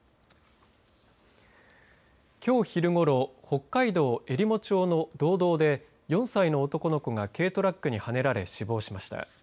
きょう昼ごろ北海道えりも町の道道で４歳の男の子が軽トラックにはねられ死亡しました。